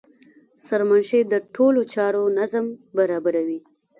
سرمنشي د ټولو چارو نظم برابروي.